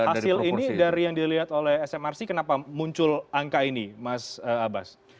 hasil ini dari yang dilihat oleh smrc kenapa muncul angka ini mas abbas